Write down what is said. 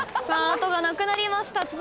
さあ後がなくなりました。